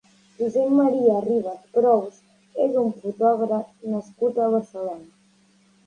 Josep Maria Ribas Prous és un fotògraf nascut a Barcelona.